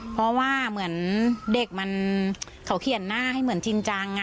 เพราะว่าเหมือนเด็กมันเขาเขียนหน้าให้เหมือนจริงจัง